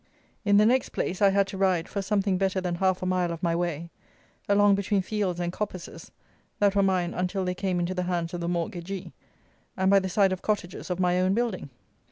In the next place I had to ride, for something better than half a mile of my way, along between fields and coppices that were mine until they came into the hands of the mortgagee, and by the side of cottages of my own building.